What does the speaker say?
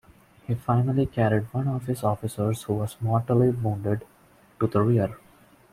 He finally carried one of his officers who was mortally wounded, to the rear.